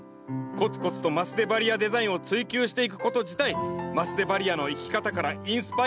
コツコツとマスデバリアデザインを追求していくこと自体マスデバリアの生き方からインスパイアされました。